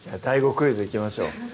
クイズいきましょう